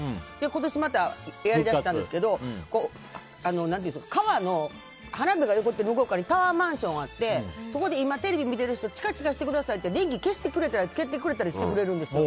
今年またやりだしたんですけど川の花火の向こうにタワーマンションがあってそこで今、テレビ見てる人チカチカしてくださいって電気を消したりつけてくれたりしてくれるんです。